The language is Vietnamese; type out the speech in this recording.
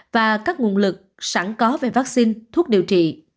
và các nguồn lực sẵn có về vaccine thuốc điều trị